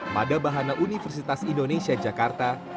mada bahana universitas indonesia jakarta